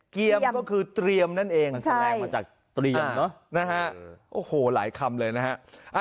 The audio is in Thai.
ก็คือนั่นเองพันธ์คมนะฮะโอ้โหหลายคำเลยนะฮะ